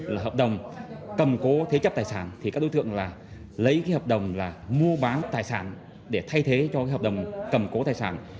lấy cái hợp đồng là mua bán tài sản để thay thế cho cái hợp đồng cầm cố tài sản